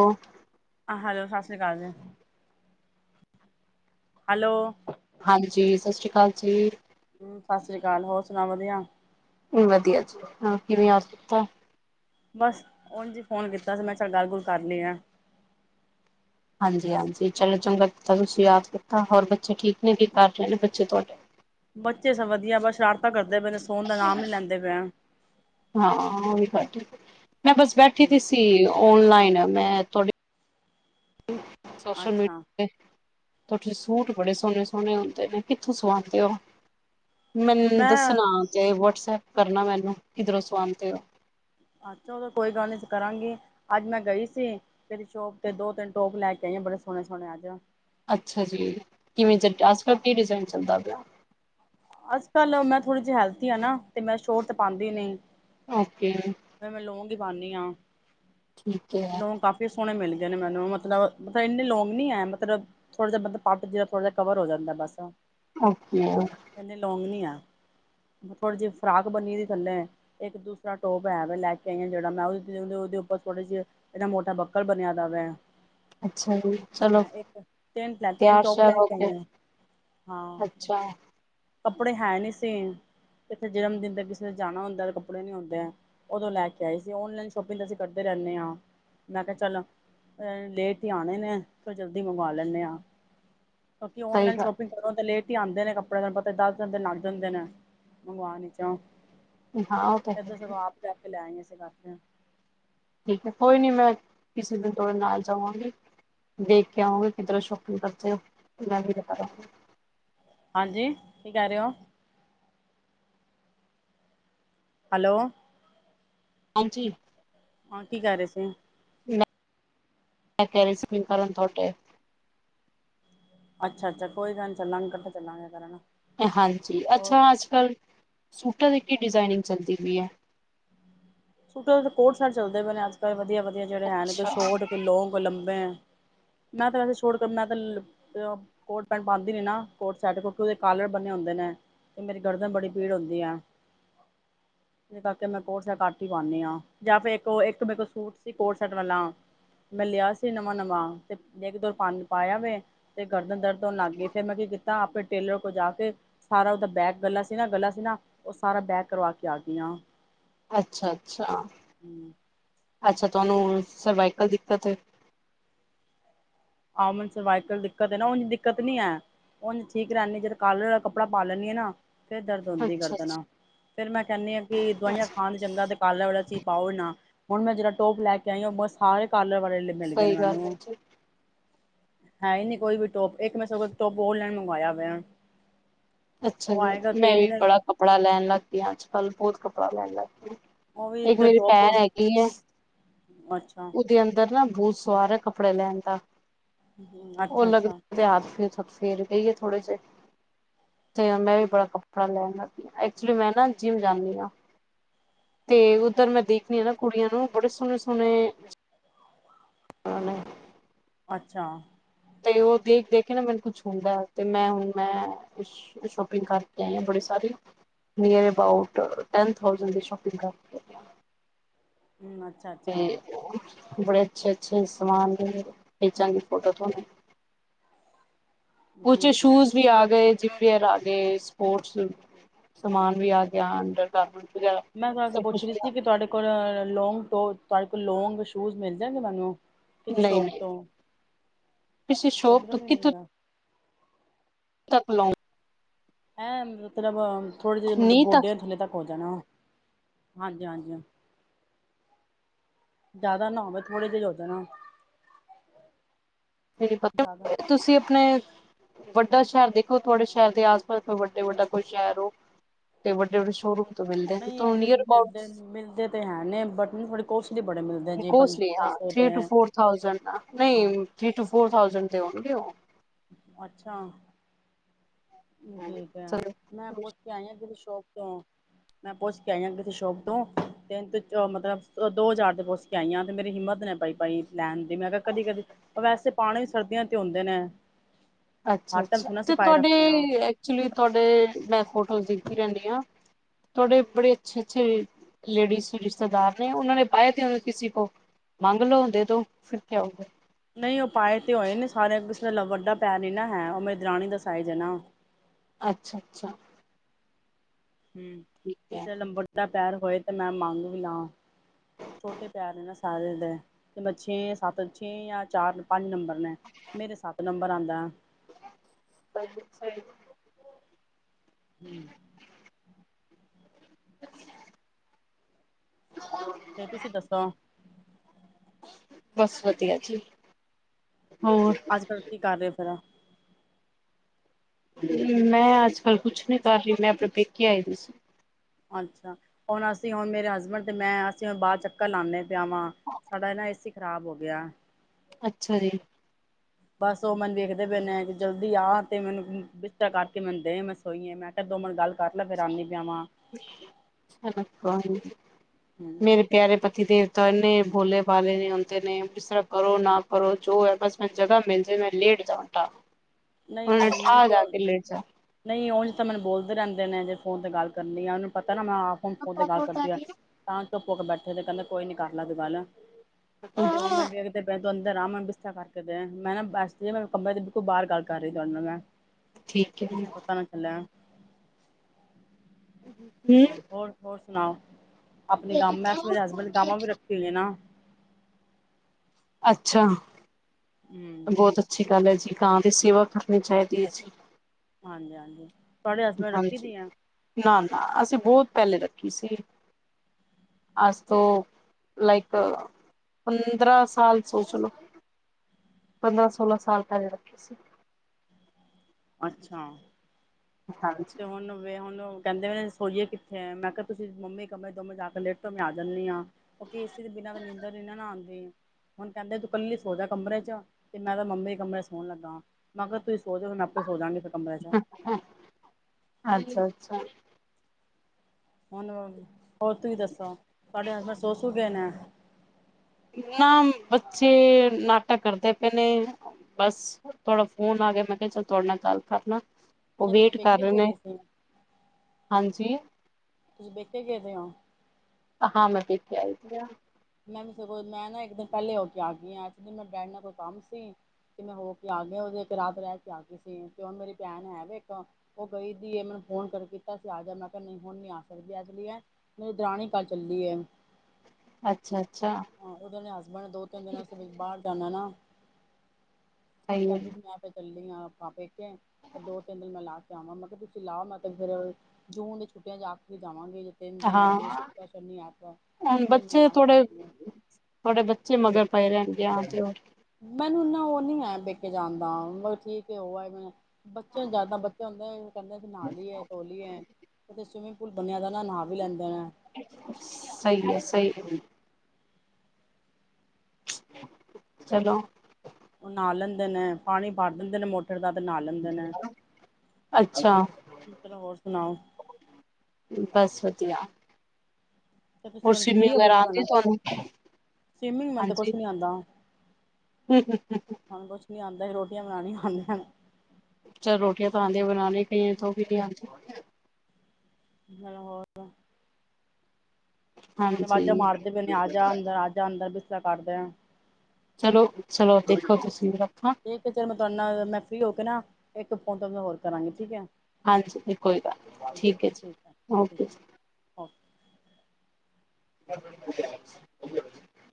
ਓਹ ਆਹ ਹੈਲੋ ਸਤਿ ਸ੍ਰੀ ਅਕਾਲ ਜੀ। ਹੈਲੋ! ਹਾਂਜੀ, ਸਤਿ ਸ੍ਰੀ ਅਕਾਲ ਜੀ। ਹਮ, ਸਤਿ ਸ੍ਰੀ ਅਕਾਲ ਹੋਰ ਸੁਣਾ ਵਧੀਆ? ਵਧੀਆ ਜੀ ਹਾਂ ਕਿਵੇਂ ਯ ਤਾਂ। ਬਸ ਓੰਜੀ ਫੋਨ ਕੀਤਾ ਸੀ, ਮੈਂ ਚ ਗੱਲ, ਗੂਲ ਕਰ ਲਈ ਆ। ਹਾਂਜੀ, ਹਾਂਜੀ ਚਲੋ ਚੰਗਾ ਕੀਤਾ, ਤੁਸੀਂ ਯਾਦ ਕੀਤਾ, ਹੋਰ ਬੱਚੇ ਠੀਕ ਨੇ ਕੀ ਕਰ ਰਹੇ ਨੇ ਬੱਚੇ ਤੁਹਾਡੇ? ਬੱਚੇ ਸਭ ਵਧੀਆ ਬਸ ਸ਼ਰਾਰਤਾ ਕਰਦੇ। ਪੈਨ ਸੋਣ ਦਾ ਨਾਮ ਨੀ ਲੈਂਦੇ ਪਿਆ। ਹਾਂ ਉਹ ਵੀ ਘੱਟ ਮੈਂ ਬਸ ਬੈਠੀ ਦੀ ਸੀ ਓਨਲਾਈਨ। ਮੈਂ ਥੋੜੀ ਸੋਸ਼ਲ ਅੱਛਾ ਮੀਡੀਐ। ਤੋਹਡੇ ਸੂਟ ਬੜੇ ਸੋਣੇ-ਸੋਣੇ ਹੁੰਦੇ ਨੇ, ਕਿੱਥੋਂ ਸੁਵਾਂਦੇ ਓ? ਮੈਨੂੰ ਮੈਂ ਦੱਸਣਾ ਜੇ ਵਟਸਐਪ ਕਰਨਾ ਮੈਨੂੰ ਕਿਧਰੋਂ ਸੁਵਾਂਦੇ ਓ? ਅੱਛਾ ਓ ਤੇ ਕੋਈ ਗੱਲ ਨੀ ਕਰਾਂਗੀ। ਅੱਜ ਮੈਂ ਗਈ ਸੀ, ਤੇਰੀ ਸ਼ੋਪ ਤੇ ਦੋ ਤਿੰਨ ਟੋਪ ਲੈ ਕੇ ਆਂਈ ਆ ਬੜੇ ਸੋਣੇ ਸੋਣੇ ਅੱਜ। ਅੱਛਾ ਜੀ ਕਿਵੇਂ ਕੀ [unintelligible] ਡਿਨ ਚੱਲਦਾ। [inaudible] ਅੱਜ ਕੱਲ ਮੈਂ ਥੋੜ੍ਹੀ ਜੀ ਹੈਲਥੀ ਆਂ ਨਾ, ਤੇ ਮੈਂ ਛੋਟ ਤੇ ਪਾਂਦੀ ਨੀਂ। ਓਕੇ। ਦੀਵਾਨੀ ਆਂ। ਠੀਕ ਹੈ, ਲੋਂਗ ਕਾਫੀ ਸੋਣੇ ਮਿਲ ਮੈਨੂੰ ਮਤਲਬ ਏਂਨੇ ਲੋਂਂਗ ਨੀ ਐਂ ਮਤਲਬ ਥੋੜ੍ਹਾ ਜੇਆ ਮਤਲ ਪੱਟ ਜੇਆ ਥੋੜਾ ਕਵਰ ਹੋ ਜਾਂਦੈ ਬਸ। ਓਕੇ ਐਂਨੇ ਲੋਂਗ ਨੀ ਐਂ, ਥੋੜ੍ਹੀ ਜੇ ਫਰਾਕ ਬੰਨੀ ਓਈ ਥੱਲ੍ਹੇ। ਇੱਕ ਦੂਸਰਾ ਟੋਪ ਐ ਵੇ ਲੈਕੇ ਆਂਈ ਆ ਜੇਹੜਾ ਮੈਂ ਓ ਓਦੇ ਉੱਪਰ ਥੋੜ੍ਹੇ ਏਨਾ ਮੋਟਾ ਬੱਕਲ ਬਣਿਆ ਦਾ ਵੈ। ਅੱਛਾ ਜੀ, ਚਲੋ ਤਿੰਨ ਤਿੰਨ ਤੇਆਰ ਟੋਪ ਸ਼ੇਆਰ ਲੈ ਹੋ ਕੇ, ਆਈ ਹਾਂ ਹਾਂ ਅੱਛਾ। ਬਸ ਕੱਪੜੇ ਹੈ ਨਈਂ ਸੀ। ਇੱਥੇ ਜਨਮ ਦਿਨ ਤੇ ਕਿਸੇ ਜਾਣਾ ਹੁੰਦਾ ਕੱਪੜੇ ਨੀ ਹੁੰਦੇ, ਉਦੋਂ ਲੈ ਕੇ ਆਏ ਸੀ ਓਨਲਾਈਨ ਸ਼ੋਪਿੰਗ ਤਾਂ ਅਸੀਂ ਕਰਦੇ ਰੈਂਣੇ ਆਂ, ਮੈਂ ਕੇਆ ਚੱਲ ਲੇਟ ਹੀ ਆਣੇ ਨੇ ਤੇ ਜਲਦੀ ਮੰਗਵਾ ਲੈਂਣੇ ਆਂ। ਕਿਓਂਕਿ ਸਹੀ ਔਨਲਾਈਨ ਗੱਲ ਸ਼ੋਪਿੰਗ ਕਰੋ ਤੇ ਲੇਟ ਉਂਦੇ ਨੇੱਪੜਿਆਂ [unintelligible] ਤੇ ਦੱਸ ਦਿੰਨ ਤੇ ਲੱਗ ਜਾਂਦੇ ਨੇ ਮੰਗਵਾਣ ਵਿਚੋਂ ਹਾਂ ਓਹ ਤਾਂ ਬ [unintelligible] ਠੀਕ ਏ ਕੋਈ ਨੀ ਮੈਂ ਕਿਸੇ ਦਿਨ ਤੋੜੇ ਨਾਲ ਜਾਵਾਂਗੀ ਦੇਖ ਕੇ ਆਵਾਂਗੀ ਕਿਧਰੋ ਸ਼ੋਪਿੰਗ ਕਰਦੇ ਓ ਮੈਂ ਵੀ ਹਾਂਜੀ ਕੀ ਕਹਿ ਰਹੇ ਹੋ ਹੈਲੋ ਹਾਂਜੀ ਹਾਂ ਕੀ ਕੈ ਰੇ ਸੀ ਕਰਨ ਤੁਥਹਾਡੇ ਅੱਛਾ ਅੱਛਾ ਕੋਈ ਗੱਲ ਨੀ ਚੱਲਾਂਗੇ ਕੱਠੇ ਚੱਲਾਂਗੇਾ ਹਾਂਜੀ ਅੱਛਾ ਅੱਜ ਕੱਲ੍ਹ ਸੂਟਾਂ ਦੇ ਕੀ ਡਿਜ਼ਾਇਨਿੰਗ ਚੱਲਦੀ ਪਈ ਏ ਸੁਟ ਕੋਟ ਸਟ ਚੱਲਦੇ ਪਏ ਅਜ ਕੱਲ ਵਧੀਆ ਵ ਜਿਹੜੇ ਹੈਣ ਕੁ ਅੱਛਾ ਸ਼ੋਰਟ ਕੁ ਲੋਂਗ ਕੁ ਲੰਬੇ ਮੈਂ ਤੇ ਵੈਸੇ ਛੋੜ ਕਰ ਮੈਂ ਤਾਂ ਕੋਟ ਪੈਂਟ ਪਾਉਂਦੀ ਨੀ ਨਾ ਕੋੜ ਸੈਟ ਕਿਓਂਕਿ ਓਹਦੇ ਕਾਲਰ ਬੰਨੇ ਹੁੰਦੇ ਨੇ ਤੇ ਮੇਰੀ ਗਰਦਨ ਬੜੀ ਪੀੜ ਹੁੰਦੀ ਏ ਈਸੇ ਕਰਕੇ ਮੈਂ ਕੋਟ ਸੈਟ ਘਟ ਟ ਈ ਪਾਨੇ ਆਂ ਜਾਂ ਫਿਰ ਇੱਕ ਇੱਕ ਮੇਰੇ ਕੋਲ ਸੂਟ ਸੀ ਕੋੜ ਸੇਟ ਵਾਲਾ ਮੈਂ ਲਿਆ ਸੀ ਨਵਾਂ ਨਵਾਂ ਤੇ ਇੱਕ ਦੋ ਪਾਇਆ ਵੇ ਤੇ ਗਰਦਨ ਦਰਦ ਹੋਣ ਲੱਗ ਗਈ ਫਿਰ ਮੈਂ ਕੀ ਕੀਤਾ ਆਪੇ ਟੇਲਰ ਕੋਲ ਜਾ ਕੇ ਸਾਰਾ ਓਹਦਾ ਬੈਕ ਗਲਾ ਸੀ ਨਾ ਗਲਾ ਸੀ ਨਾ ਉਹ ਸਾਰਾ ਬੈਕ ਕਰਵਾ ਕੇ ਆ ਗਈਆਂ ਅੱਛਾ ਅੱਛਾ ਅੱਛਾ ਤੁਆਨੂੰ ਸਰਵਾਈਕਲ ਦਿੱਕਤ ਏ? ਆਹ ਮੈਨ ਸਰਵਾਈਕਲ ਦਿੱਕਤ ਏ ਨਾ, ਓੰਜ ਜਦਿੱਕਤ ਨੀ ਐ, ਉਂਜ ਠੀਕ ਰੈਨੀ, ਜਦ ਕਾਲਰਾ ਕੱਪੜਾ ਪਾ ਲੈਦੀ ਆ ਨਾ ਫਿਰ ਦਰਦ ਹੁੰਦੀ ਅੱਛਾ ਗਰਦਨ ਆ ਅੱਛਾ ਫੇਰ ਮੈਂ ਕੈਨੀ ਆ ਕਿ ਦਵਾਈਆਂ ਅੱਛਾ, ਖਾਣ ਚੰਗਾ ਤੇ ਕਾਲਾ ਵਾਲਾ ਚੀਂ ਪਾਓ ਨਾ। ਹੁਨ ਮੈ ਜੇੜਾ ਟੋਪ ਲੈ ਕੇ ਆਈ ਓ ਮ ਸਾਰੇ ਕਾਲਰ ਵਾਲੇ ਮਿਲ ਗੇ ਨੇ ਸਹੀ ਗੱਲ ਹੈ ਮੈਨੂੰ ਜੀ ਹੈ ਹੀ ਨਈ ਕੋਈ ਵੀ ਟੋਪ ਇੱਕ ਮੈਂ ਸਗੋ ਟੋਪ ਓਨਲਾਈਨ ਮੰਗਵਾਇਆ ਵੇ ਅੱਛਾ ਜੀ, ਮੈਂ ਵੀ ਬੜਾ ਕੱਪੜਾ ਲੈਨ ਲੱਗ ਵੀ ਅੱਜ-ਕੱਲ ਬੋਤ ਕੱਪੜਾ ਲੈਣ ਲੱਗ ਗੀਆ। ਉਹ ਵੀ ਇੱਕ ਤੇ ਮੇਰੀ ਟੋਪ ਪੈਣ ਹੈਗੀ ਹੈ, ਅੱਛਾ ਓਦੇ ਅੰਦਰ ਨਾ ਭੂਤ ਸਵਾਰਕ ਕੱਪੜੇ ਲੈਨ ਦਾ। ਓ ਅੱਛਾ ਅੱਛਾ ਲੱਗਦੇ ਹੱਥ ਵਿਚ ਆਪਾਂ ਫੇਰ ਕਹੀਏ ਥੋੜੇ ਜੇਹੇ। ਤੇ ਮੈਂ ਵੀ ਬੜਾ ਕੱਪੜਾ ਲੈਣ ਲੱਗ ਗਈ ਆ ਐਕਚਲੀ ਮੈਂ ਨਾ ਜਿੰਮ ਜਾਨੀ ਆ ਤੇ ਓਧਰ ਮੈਂ ਦੇਖਣੀ ਹਾਂ ਨਾ ਕੁੜੀਆਂ ਨੂੰ ਬੜੇ ਸੋਹਣੇ ਸੋਹਣੇ ਹਾਂ ਨਾਂ। ਅੱਛਾ। ਤੇ ਉਹ ਦੇਖ ਦੇਖ ਕੇ ਨਾ ਮੈਨੂੰ ਕੁਛ ਹੁੰਦਾ ਹੈ, ਤੇ ਮੈਂ ਹੁਣ ਮੈਂ ਸ਼ੋਪਿੰਗ ਕਰਕੇ ਆਈ ਆ ਬੜੀ ਸਾਰੀ ਨੀਅਰ ਅਬਾਊਟ ਟੈਨ ਥਾਊਸੈਂਡ ਦੀ ਸ਼ੋਪਿੰਗ ਕਰਕੇ ਆਈ ਆ। ਹੂੰ ਅੱਛਾ, ਅੱਛਾ। ਬੜੇ ਅੱਛੇ ਅੱਛੇ ਸਮਾਨ ਨੇ ਪੇਜੰਗੀ ਫੋਟੋ ਤੁਆਨੂੰ। ਕੁਝ ਠੀਕ ਹੈ। ਸ਼ੂਜ ਵੀ ਆ ਗਏ। ਵੀ ਆਗੇ ਸਪੋਰਟਸ ਸਮਾਨ ਵੀ ਆ ਗਿਆ, ਅੰਡਰ ਗਾਰਮੈਟਸ ਮੈਂ ਰੰਗ ਪੁੱਛ ਰਹੀ ਜੀ ਕਿ ਤੁਹਾਡੇ ਕੋਲ ਲੌਂਗ ਤੋਂ, ਤਾਦੇ ਲੋਂਂਗ ਸ਼ੂਜ ਮਿਲ ਜਾਣਗੇ ਮੈਨੂੰ। ਕਿਸੇ ਨਈ, ਸ਼ੋਪ ਨਈ, ਤੋਂ ਕਿਸੇ ਸ਼ੋਪ ਕਿੱਧਰੋਂ ਤੋਂ ਵੀ ਕਿੱਥੋਂ ਮਿਲਦਾ ਤੱਕ ਲੋ ਗ ਐ ਮਤਲਬ ਥੋੜੇ ਜਿਹੇ ਮਤਲਬ ਗੋਡਿਆਂ ਥੱਲੇ ਤੱਕ ਹੋ ਜਾਣ। ਹਾਂਜੀ, ਹਾਂਜੀ। ਜਾਦਾ ਨਾ ਹੋਵੇ ਥੋੜੇ ਜਹੇ ਹੋ ਜਾਣ। ਮੇਰੇ ਪਤਾ, ਤੁਸੀ ਅਪਨੇ ਵੱਡਾ ਸ਼ੈਰ ਦੇਖੋ ਤੁਅਦੇ ਸ਼ੈਰ ਦੇ ਆਸ-ਪਾਸ ਕੋਈ ਵੱਡੇ ਵੱਡਾ ਕੋਈ ਸ਼ੈਰ ਹੋ ਤੇ ਵੱਡੇ ਵੱਡੇ ਸ਼ੋਰੂਮ ਤੋਂ ਮਿਲਦੇ ਨਈ ਤੁਹਾਨੂੰ ਮਿਲ ਨੀਅਰ ਮਿਲਦੇ, ਅਬਾਊਟ ਮਿਲਦੇ ਤੇ ਹੈ ਨੇ ਬਟ ਓ ਥੋੜੇ ਕੋਸਟਲੀ ਬੜੇ ਮਿਲਦੇ ਜੀ ਕੋਸਟਲੀ ਪੰਦਰਾਂ ਹਾਂ, ਸੌ ਥ੍ਰਰੀ ਦੇ ਟੂ ਹੈ ਫੋਰ ਥਾਊਜੈਂਡ, ਹਾਂ ਨਹੀ, ਥ੍ਰਰੀ ਟੂ ਫੋਰ ਥਾਊਜੈਂਡ ਤੇ ਹੋਣਗੇ ਓ। ਅੱਛਾ। ਠੀਕ ਐ, ਚਲੋ ਮੈਂ ਪੁੱਛ ਕੇ ਆਈ ਆ ਸ਼ੋਪ ਤੋਂ ਮੈਂ ਪੁੱਛ ਕੇ ਆਈ ਹਾਂ ਕਿਸੇ ਸ਼ੋਪ ਤੋਂ, ਤਿੰਨ ਮਤਲਬ ਦੋ ਹਜ਼ਾਰ ਤੇ ਪੁੱਛ ਕੇ ਆਈ ਹਾਂ ਤੇ ਮੇਰੀ ਹਿੰਮਤ ਨੀ ਪਈ ਭਾਈ ਲੈਣ ਦੀ, ਮੈਂ ਕਿਹਾ ਕਦੀ ਕਦੀ ਵੈਸੇ ਪਾਣੇ ਵੀ ਸਰਦੀਆਂ ਤੇ ਹੁੰਦੇ ਨੇ। ਅੱਛਾ, ਹਰ ਟਾਈਮ ਅੱਛਾ, ਥੋੜਾ ਤੇ ਅਸੀਂ ਪਾਏ ਤੁਹਾਡੇ ਰੱਖਣੇ ਆ ਏ ਐਚਲੀ ਤੋਡੇ ਮੈਂ ਫੋਟੋਜ ਦੇਖਦੀ ਰੈਨੀ ਆ। ਤੋਡੇ ਬੜੇ ਅੱਛੇ ਅੱਛੇ ਲੇਡੀਸ ਰਿਸ਼ਤੇਦਾਰ ਨੇ ਓਨਾਂ ਨੇ ਪਏ ਤੇੇ ਹੋਏ ਕਿਸੀ ਕੋ ਮੰਗ ਲਓ, ਦੇ ਦੋ ਫਿਰ ਕਿਆ ਹੋ ਗਿਆ। ਨਈ ਓ ਪਾਏ ਤੇ ਹੋਏ ਨੇ ਸਾਰੇਆਂ ਕਿਸੇ ਦਾ ਵੱਡਾ ਪੈਰ ਨਹੀ ਨਾ ਹੈ ਓ ਮੇਰੀ ਦਰਾਣੀ ਦਾ ਸਾਈਜ਼ ਆ ਨਾ। ਅੱਛਾ, ਅੱਛਾ। ਹੂੰ, ਕਿਸੇ ਦਾ ਵੱਡਾ ਪੈਰ ਹੋਏ ਤੇ ਮੈਂ ਮੰਗ ਵੀ ਲਾਂ, ਛੋਟੇ ਪੈਰ ਨਾ ਸਾਰਿਆਂ ਦੇ ਕਿ ਮੈਂ ਛੇ, ਸੱਤ, ਛੇ ਜਾਂ ਚਾਰ ਪੰਜ ਨੰਬਰ। ਮੈਂ, ਮੇਰੇ ਸੱਤ ਨੰਬਰ ਪਰਾਂਦਾ। ਵਾਏਗੁਰੂ ਜੀ। ਹੂੰ। [inaudible] ਫੇ ਤੁਸੀਂ ਦੱਸੋ? ਬਸ ਵਦੀਆ ਜੀ। ਹੋਰ ਅੱਜ-ਕੱਲ ਕੀ ਕਰ ਰਏ ਓ ਫੇਰਾ ਮੈਂ ਅੱਜ-ਕੱਲ ਕੁਛ ਨਈ ਕਰ ਰਹੀ, ਮੈਂ ਆਪੇ ਪੇਕੇ ਆਈ ਦੀ ਸੀ। ਅੱਛਾ, ਹੁਣ ਅਸੀਂ ਹੁਨ ਮੇਰੇ ਹਸਬੈਂਡ ਤੇ ਮੈਂ ਅਸੀਂ ਹੁਣ ਬਾਰ ਚੱਕਰ ਲਾਨੇ ਪੇ ਆ ਵਾਂ, ਸਾਡਾ ਨਾ ਏ ਸੀ ਖ਼ਰਾਬ ਹੋ ਗੇਆ। ਅੱਛਾ ਜੀ। ਬਸ ਓ ਮਨ ਵੇਖਦੇ ਪਏ ਨੇ ਜਲਦੀ ਆ ਤੇ ਮੈਨੂੰ ਬਿਸਤਰ ਕਰਕੇ ਮੈਨੂੰ ਦੇ ਮੈਂ ਸੋਈਏ ਮੈਂ ਕੇਆ ਦੋ ਮੇਨ ਗੱਲ ਕਰ ਲੈ ਫਿਰ ਆਉਂਦੀ ਪਿਆ ਵਾਂ ਸ ਹੂੰ ਮੇਰੇ ਪਿਆਰੇ ਪੱਕੇ ਦੇਵਤਾ ਇੰਨੇ ਬੋਹਲੇ ਬਾਹਲੇ ਨੇ ਹੁੰਦੇ ਨੇ, ਇਸ ਤਰ੍ਹਾਂ ਕਰੋ ਨਾ ਕਰੋ ਜੋ ਐ ਬਸ ਮੈਂ ਜਗ੍ਹਾ ਮਿਲ ਜੇਵ ਮੈਂ ਲੇਟ ਜਾ ਨਈਂ, ਉਹਨਾਂ ਨੇ ਨਈਂ ਮੈਂ ਠਾਹ ਤੇ, ਕੇ ਲੇਟ ਜਾ ਨਈਂ ਉਂਝ ਤਾਂ ਮੈਨੂੰ ਬੋਲਦੇ ਰੈਂ ਨੇ ਜੇ ਫੋਨ ਤੇ ਗੱਲ ਕਰਨੀ ਆ ਉਨੂੰ ਪਤਾ ਪਤਾ ਨਾ ਮੈਂ ਆਪ ਹੁਨ ਫੋਨ ਤੇ ਗੱਲ ਕਰਦੀ ਐ ਤਾਂ ਚੁੱਪ ਹੋਕੇ ਬੈਠੇ ਤੇ ਕੈਂਦੇ ਕੋਈ ਨੀ ਕਰਲਾ ਦੂ ਗੱਲ, ਤੇ ਹੁਣ ਮੈਂ ਵੀ ਕਿਤੇ ਬੈ ਅੰਦਰ ਆਮ ਬਿਸਤਾ ਕਰਕੇ ਦੇ, ਮੈਂ ਨਾ ਬਸ ਕਮਰੇ ਦੇ ਬਿਲਕੁਲ ਬਾਰ ਗੱਲ ਕਰ ਦੋਨੋ ਮੈਂ ਠੀਕ ਹੈ ਕਿਸੇ ਪਤਾ ਨਾ ਚੱਲੈ। ਹੰਮ੍ਹ। ਨਾ। ਆਪਣੇ ਗਾਮ ਵੈਸੇ ਮੇਰੇ ਹਸਬੈਂਡ ਗਾਂਵਾਂ ਵੀ ਰੱਖੇ ਹੋਈ ਨਾ। ਅੱਛਾ। ਹੂੰ ਬੋਤ ਅੱਛੀ ਗੱਲ ਐ ਜੀ। ਗਾਂ ਦੀ ਸੇਵਾ ਕਰਨੀ ਚਾਈਦੀ ਐ ਜੀ। ਹਾਂਜੀ, ਹਾਂਜੀ ਤੋਡੇ ਹਸਬੈਂਡ ਰੱਖੀ ਹਾਂਜੀ ਦੀ ਐ। ਨਾ ਅਸੀਂ ਬੌਤ ਪੈਲੇ ਰੱਖੀ ਸੀ। ਅੱਜ ਤੋਂ ਲਾਈਕ, ਪੰਦਰਾਂ ਸਾਲ ਸੋਚ ਲੋ। ਪੰਦਰਾਂ ਸੋਲਾਂ ਸਾਲ ਤ ਰੱਖੀ ਸੀ। ਅੱਛਾ। ਤੇ ਹਾਂਜੀ ਹੁਣ ਵੇ ਹੁਣ ਕੈਂਦੇ ਪਏ ਸੋਈਏ ਕਿੱਥੇ ਹੈ ਮੈਂ ਕੇਆ ਤੁਸੀਂ ਮੰਮੀ ਕਮਰੇ ਦੋਮੇ ਜਾ ਕੇ ਲੇਟੋ, ਮੈਂ ਆ ਜਾਂਣੀ ਆਂ। ਓ ਕੇਸੀ ਦੇ ਬਿਨਾਂ ਨਿੰਦਰ ਨੀ ਨਾ ਆਂਦੀ। ਹੁਣ ਕੈਂਦੇ ਤੂੰ ਕੱਲੀ ਸੋ ਜਾ ਕਮਰੇ ਚ, ਤੇ ਮੈਂ ਤਾਂ ਮੰਮੀੇ ਕਮਰੇ ਸੋਣ ਲੱਗਾਂ, ਮੈਂ ਕੇਆ ਸੌ ਜਾ, ਮੈਂ ਆਪੇ ਸੌਂ ਜਾਂਗੀ ਫਿਰ ਕਮਰੇ ਚ। ਅੱਛਾ ਅੱਛਾ। ਹੁਣ ਹੋਰ ਤੁੱਸੀ ਦੱਸੋ ਤੋਆਡੇ ਹਸਬੈਂਡ ਸੌ ਸੁ ਗਏ ਨੇ। [unintelligible] ਬੱਚੇ ਨਾਟਕ ਕਰਦੇ ਪਏਨੇ ਬਸ ਤੋਡਾ ਫੋਨ ਆਗਿਆ ਮੈਂ ਕੇਆ ਚਲ ਤੋਡੇ ਨਾਲ ਗੱਲ ਕਰਲਾਂ। ਓ ਅੱਛਾ ਤੁਸੀਂ ਵੇਟ ਕਰ ਪੇਕੇ ਰੇ ਗਏ ਨੇ, ਦੇ ਸੀ ਹਾਂਜੀ ਤੁਸੀ ਪੇਕੇ ਗਇਦੇ ਔਂ। ਹਾਂ, ਮੈਂ ਪੇਕੇ ਆਇਦੀ ਆਂ। ਮੈਂ ਵੀ ਸਗੋ, ਮੈਂ ਨਾ ਇਕ ਦਿਨ ਪੈੱਲੇ ਔ ਕੇ ਆਗੀ ਆਂ, ਐਕਚੁਲੀ ਮੈਂ ਡੈਡੀ ਨਾਲ ਕੋਈ ਕੰਮ ਸੀ, ਤੇ ਮੈਂ ਹੋ ਕੇ ਆਗੀ। [unintelligible] ਏਕ ਰਾਤ ਰੈ ਕੇ ਆਗੀ ਸੀ, ਹੋਣ ਮੇਰੀ ਭੈਣ ਹੈ ਵੇ ਇੱਕ ਔ ਗਈਦੀ ਐ ਮੈਨੂੰ ਫੋਨ ਕਿਤਾ ਸੀ ਆਜਾ ਮੈਂ ਕੇਆ ਹੁਨ ਨਈਂ ਆ ਸਕਦੀ, ਐਕਚੁਲੀ ਐ ਮੇਰੀ ਦਰਾਣੀ ਕੱਲ ਚੱਲੀ ਏ। ਅੱਛਾ। ਅੱਛਾ ਹਾਂ [unintelligible] ਹਸਬੈਂਡ ਨੇ ਦੋ ਤਿੰਨ ਦਿੰਨਾਂ ਵਾਸਤੇ ਬਾਹਰ ਜਾਂਦਾ ਏ ਨਾ [unintelligible] ਫ ਸਹੀ ਹੈ ਕਹਿੰਦੀ ਸੀ ਮੈਂ ਫੇਰ ਚੱਲੀ। ਪਾਪੇ ਤੇ ਦੋ ਤਿੰਨ ਦਿਨ ਮੈਂ ਲਾ ਜਾਵਾਂ ਮੈਂ ਕਿਹਾ ਤੁਸੀਂ ਲਾਓ, ਮੈਂ ਤੇ ਫਿਰ ਜੂਨ ਦੀ ਛੁੱਟੀਆਂ ਚ ਆਖਰੀ ਚ ਜਾਵਾਂਗੀ। [unintelligible] ਤਿੰਨ ਦਿਨ ਹਾਂ [unintelligible] ਸ਼ੁਕਰ, ਸ਼ਨੀ, ਐਤਵਾਰ ਹੁਣ ਤਿੰਨ ਦਿਨ ਬੱਚੇ ਲਗਾ ਕੇ ਥੋੜੇ ਆਣਗੇ। ਤੁਹਾਡੇ ਬੱਚੇ ਮਗਰ ਪਏ [inaudible] ਓਹ ਨੀ ਹੈ, ਪੇਕੇ ਜਾਣ ਦਾ, ਬਸ ਠੀਕ ਏ ਹੋ ਆਏ। ਬੱਚੇ ਜਾਦਾ [unintelligible] ਹੁੰਦੇ ਨੇ ਕਹਿੰਦੇ ਨੇ, ਨ੍ਹਾ ਲਿਏ, ਧੋਂ ਲਿਏ ਕਦੇ ਸਵਿਮਿੰਗ [unintelligible] ਬਨਿਆ ਦਾ ਨਾਂ ਵੀ ਲੈਣ ਸਹੀ ਹੈ, ਸਹੀ ਹਮ। ਚਲੋ। ਉਹ ਨ੍ਹਾ ਲੈਂਦੇ ਨੇ ਪਾਣੀ ਪਰ ਦੇਂਦੇ ਮੋਟਰ ੜਾ ਤੇ ਨਾ ਲੈਂਦੇ ਨੇ, ਅੱਛਾ ਤੁੱਸੀ ਚਲੋ ਹੋਰ ਸੁਣਾਓ। ਬਸ ਵਧੀਆਂ। ਤੇ ਤੁਸੀਂ ਹੁਨ ਫ੍ਰੀ ਓ ਬਿਲਕੁਲ ਹਨਾ, ਤੁਹਾਨੂੰ ਸਵੀਮਿੰਗ ਮੈਨੂੰ ਤੇ ਹਾਂਜੀ ਕੁੱਛ ਵੀ ਨੀ ਆਂਦਾ। ਹੁਣ ਕੁਛ ਨਈ ਆ ਹਜੇ ਰੋਟੀਆਂ ਬਨਾਣੀਆਂ, ਹਨ, ਹਨ ਚੱਲ ਰੋਟੀਆਂ ਤਾਂ ਆਂਦੇ ਬਣਾਨੀ ਪਈਆ [unintelligible] [unintelligible] ਹੁਨ ਆਵਾਜਾਂ ਹਾਂਜੀ ਮਾਰਦੇ ਪਏ ਨੇ ਆ ਜਾ ਅੰਦਰ, ਆ ਜਾ ਅੰਦਰ ਕਿਆ ਕਰਦੇ। ਚਲੋ, ਚਲੋ ਦੇਖੋ ਤੁਸੀਂ ਵੀ ਰੱਖਾਂ ਠੀਕ ਚਲ, ਮੈਂ ਤੁਆਡੇ ਨਾਲ, ਮੈਂ ਫ਼੍ਰੀ ਹੋ ਕੇ ਨਾ ਇੱਕ ਫੋਨ ਤਾਂਨੂੰ ਹੋਰ ਕਰਾਂਗੀ, ਠੀਕ ਐ। ਹਾਂਜੀ, ਕੋਈ ਗੱਲ ਨਈ, ਠੀਕ ਹੈ ਜੀ, ਠੀਕ ਓਕੇ ਹੈ ਜੀ। ਓਕੇ। [inaudible]